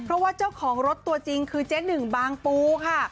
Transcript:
เพราะว่าเจ้าของรถตัวจริงคือเจ๊หนึ่งบางปูค่ะ